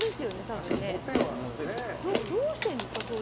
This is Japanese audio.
どうしてるんですか？